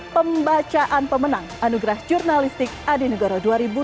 pembacaan pemenang anugerah jurnalistik adi negoro dua ribu dua puluh